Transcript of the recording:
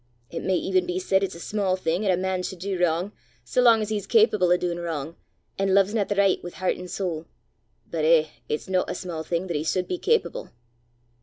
It may even be said it's a sma' thing 'at a man sud du wrang, sae lang as he's capable o' duin' wrang, an' lovesna the richt wi' hert an' sowl. But eh, it's no a sma' thing 'at he sud be capable!"